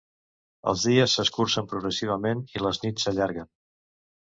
Els dies s'escurcen progressivament i les nits s'allarguen.